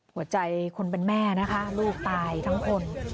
หัวใจคนเป็นแม่นะคะลูกตายทั้งคน